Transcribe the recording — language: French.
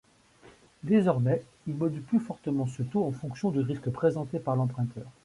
Désormais, ils modulent plus fortement ce taux en fonction du risque présenté par l'emprunteur.